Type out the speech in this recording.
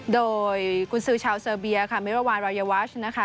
โดยกุญสือชาวเซอร์เบียค่ะมิรวาลรายวัชนะคะ